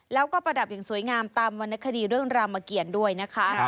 แล้วก็ประดับอย่างสวยงามตามวรรณคดีเรื่องรามเกียรติด้วยนะคะ